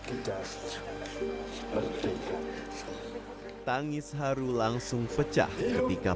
kita harus berpikir